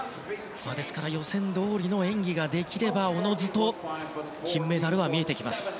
ですから予選どおりの演技ができればおのずと金メダルは見えてきます。